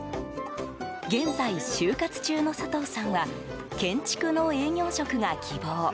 現在、就活中の佐藤さんは建築の営業職が希望。